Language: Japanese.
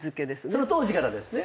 その当時からですね？